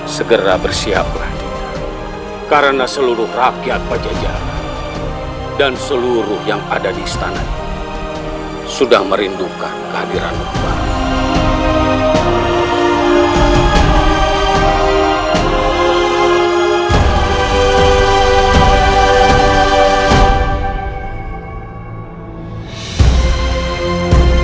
segera bersiaplah karena seluruh rakyat pejajaran dan seluruh yang ada di istananya sudah merindukan kehadiran tuhan